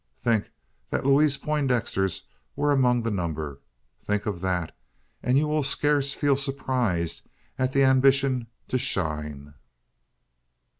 Think, that Louise Poindexter's were among the number think of that, and you will scarce feel surprised at the ambition to "shine."